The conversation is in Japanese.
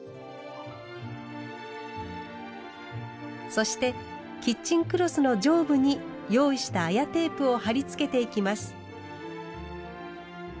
そしてキッチンクロスの上部に用意した綾テープを貼り付けていきます。